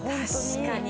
確かに。